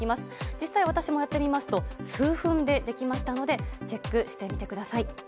実際、私もやってみますと数分でできましたのでチェックしてみてください。